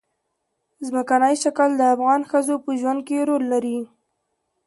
ځمکنی شکل د افغان ښځو په ژوند کې رول لري.